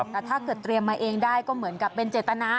แต่ถ้าเกิดเตรียมมาเองได้ก็เหมือนกับเป็นเจตนา